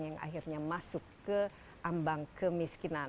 yang akhirnya masuk ke ambang kemiskinan